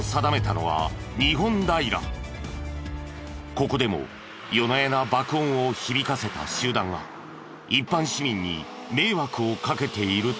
ここでも夜な夜な爆音を響かせた集団が一般市民に迷惑をかけているという。